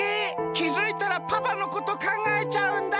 きづいたらパパのことかんがえちゃうんだ。